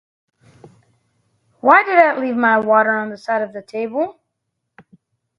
Why did I leave my water on the other side of the table?